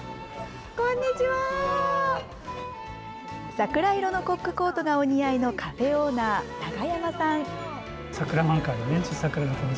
桜色のコックコートがお似合いのカフェオーナー、永山さん。